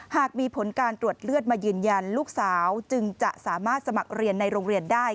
หากมีผลการตรวจเลือดมายืนยันลูกสาวจึงจะสามารถสมัครเรียนในโรงเรียนได้